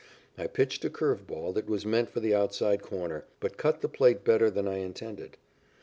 I pitched a curve ball that was meant for the outside corner, but cut the plate better than I intended.